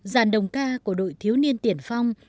giàn đồng ca của đội thiếu niên tiền phong